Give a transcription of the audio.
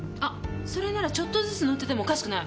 それならちょっとずつ乗っててもおかしくない！